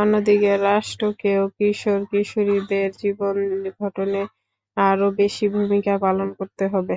অন্যদিকে রাষ্ট্রকেও কিশোর-কিশোরীদের জীবন গঠনে আরও বেশি ভূমিকা পালন করতে হবে।